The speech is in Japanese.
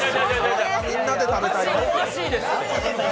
みんなで食べたい。